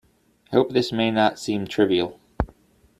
I hope this may not seem trivial.